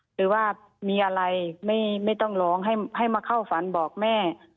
หรือว่ามีอะไรไม่ต้องร้องให้มาเข้าฝันบอกแม่